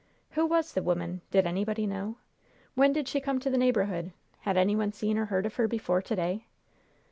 "Who was the woman, did anybody know? When did she come to the neighborhood? Had any one seen or heard of her before to day?"